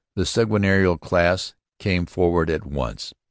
The seigneurial class came forward at once.